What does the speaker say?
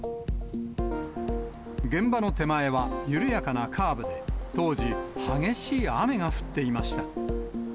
現場の手前は緩やかなカーブで、当時、激しい雨が降っていました。